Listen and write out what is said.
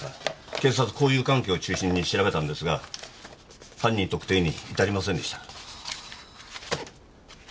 警察は交友関係を中心に調べたんですが犯人特定に至りませんでした。